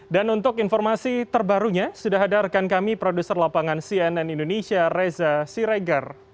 dan untuk informasi terbarunya sudah hadarkan kami produser lapangan cnn indonesia reza siregar